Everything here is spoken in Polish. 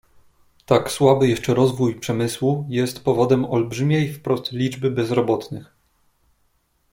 "Tak słaby jeszcze rozwój przemysłu jest powodem olbrzymiej wprost liczby bezrobotnych."